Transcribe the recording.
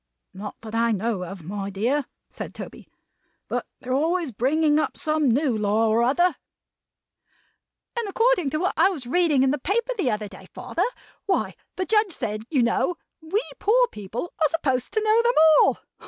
"Not that I know of, my dear," said Toby. "But they're always a bringing up some new law or other." "And according to what I was reading you in the paper the other day, father; what the Judge said, you know; we poor people are supposed to know them all.